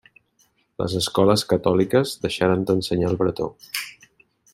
Les escoles catòliques deixaren d'ensenyar el bretó.